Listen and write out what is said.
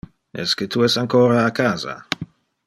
Esque tu es ancora a casa?